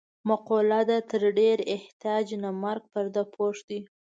مقوله ده: تر ډېر احتیاج نه مرګ پرده پوښ دی.